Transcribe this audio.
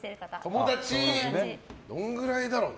友達、どのくらいだろうな。